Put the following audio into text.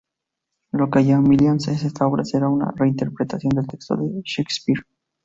Lo que hará Millais en esta obra será una reinterpretación del texto de Shakespeare.